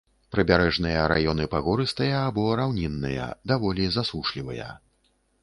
Прыбярэжныя раёны пагорыстыя або раўнінныя, даволі засушлівыя.